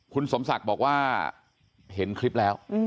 คุณสมศักดิ์บอกว่าเห็นคลิปแล้ว